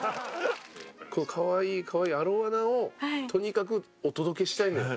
「このかわいいかわいいアロワナをとにかくお届けしたいのよ」